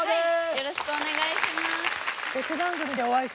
よろしくお願いします。